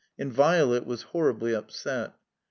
And Violet was horribly upset.